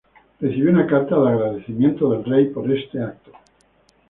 Recibió una carta de agradecimiento del rey por este acto.